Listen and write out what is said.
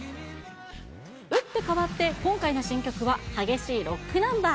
打って変わって、今回の新曲は、激しいロックナンバー。